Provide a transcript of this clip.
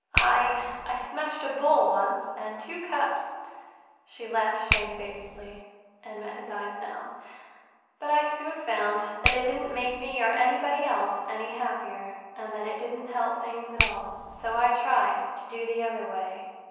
I—I smashed a bowl once, and two cups." She laughed shamefacedly, and met his eyes now. "But I soon found—that it didn't make me or anybody else—any happier, and that it didn't help things at all. So I tried—to do the other way.